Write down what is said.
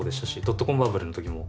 ドットコムバブルの時も。